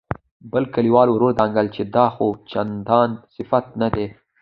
بل کليوال ور ودانګل چې دا خو چندان صفت نه دی.